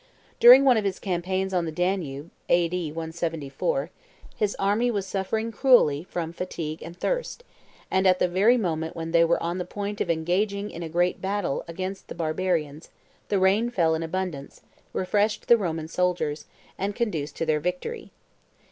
During one of his campaigns on the Danube, A.D. 174, his army was suffering cruelly from fatigue and thirst; and at the very moment when they were on the point of engaging in a great battle against the barbarians, the rain fell in abundance, refreshed the Roman soldiers, and conduced to their victory.